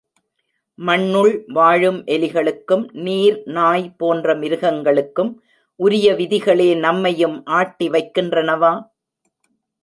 மண்ணுள் வாழும் எலிகளுக்கும், நீர் நாய் போன்ற மிருகங்களுக்கும் உரிய விதிகளே நம்மையும் ஆட்டிவைக்கின்றனவா!